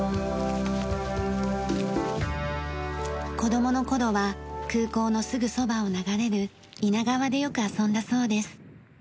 子供の頃は空港のすぐそばを流れる猪名川でよく遊んだそうです。